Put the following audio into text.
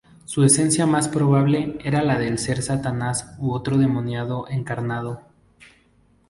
Su esencia más probable era la de ser Satanás u otro demonio encarnado.